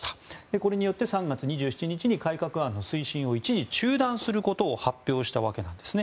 これによって３月２７日に改革案の推進を一時中断することを発表したわけです。